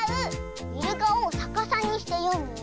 イルカをさかさにしてよむの。